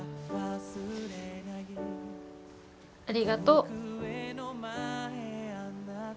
ありがとう。